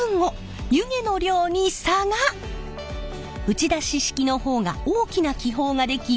打ち出し式の方が大きな気泡が出来